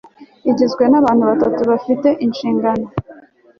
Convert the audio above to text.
igizwe n'abantu batanu bafite inshingano